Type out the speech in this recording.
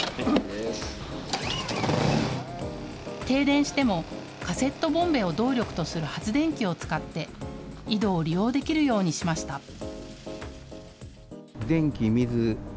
停電してもカセットボンベを動力とする発電機を使って井戸を利用できるようにしました。